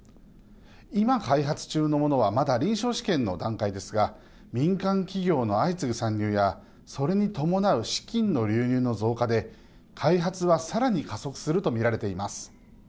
今、開発中のものはまだ臨床試験の段階ですが民間企業の相次ぐ参入やそれに伴う資金の流入の増加で開発は、さらに加速すると見られています。